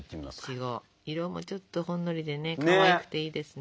いちご色もちょっとほんのりでねかわいくていいですね。